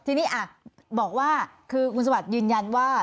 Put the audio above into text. ทีนี้บอกว่าคือคุณสวัสดิ์ยืนยันว่า